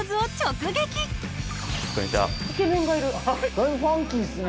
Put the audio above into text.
だいぶファンキーっすね。